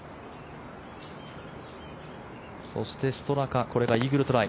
そして、ストラカこれがイーグルトライ。